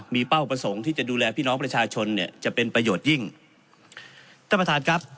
มีเป้าประสงค์ที่จะดูแลพี่น้องประชาชนเนี่ยจะเป็นประโยชน์ยิ่งท่านประธานครับ